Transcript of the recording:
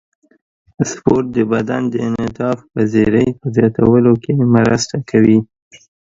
سپورت د بدن د انعطاف پذیرۍ په زیاتولو کې مرسته کوي.